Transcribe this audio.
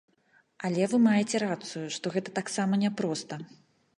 Але вы маеце рацыю, што гэта таксама няпроста.